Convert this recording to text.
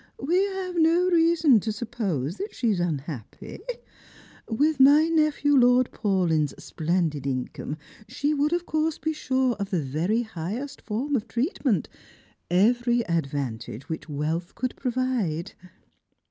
We have no reason to suppose_ that she is unhappy. With my nephew Lord Paulyn's splendid in come she would, of course, be sure of the very highest form of treatment ; every advantage which wealth could provide."